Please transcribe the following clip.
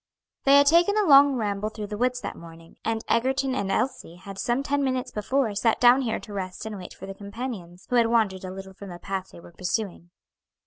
They had taken a long ramble through the woods that morning, and Egerton and Elsie had some ten minutes before sat down here to rest and wait for their companions, who had wandered a little from the path they were pursuing.